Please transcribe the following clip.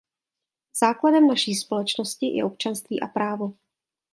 Základem naší společnosti je občanství a právo.